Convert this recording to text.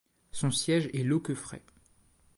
Son siège est Loqueffret.